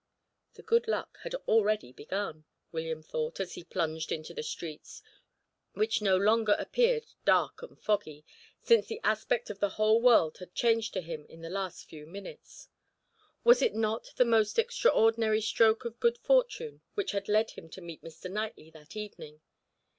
The good luck had begun already, William thought, as he plunged into the streets, which no longer appeared dark and foggy, since the aspect of the whole world had changed to him in the last few minutes. Was it not the most extraordinary stroke of good fortune which had led him to meet Mr. Knightley that evening?